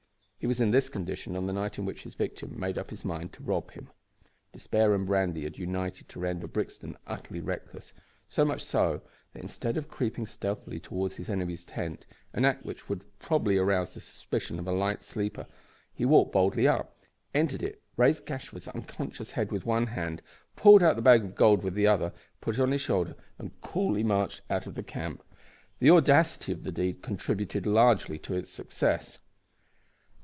He was in this condition on the night in which his victim made up his mind to rob him. Despair and brandy had united to render Brixton utterly reckless; so much so, that instead of creeping stealthily towards his enemy's tent, an act which would probably have aroused the suspicion of a light sleeper, he walked boldly up, entered it, raised Gashford's unconscious head with one hand, pulled out the bag of gold with the other, put it on his shoulder, and coolly marched out of the camp. The audacity of the deed contributed largely to its success.